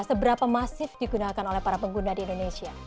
seberapa masif digunakan oleh para pengguna di indonesia